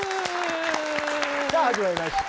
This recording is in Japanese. さあ始まりました。